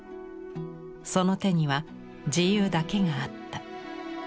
その手には自由だけがあった。